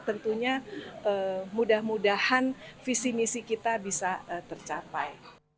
tentunya mudah mudahan visi misi kita bisa tercapai